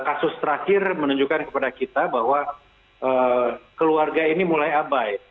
kasus terakhir menunjukkan kepada kita bahwa keluarga ini mulai abai